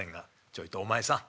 「ちょいとお前さん